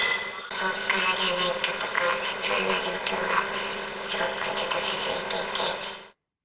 放火じゃないかとか、不安な状況がすごくずっと続いていて。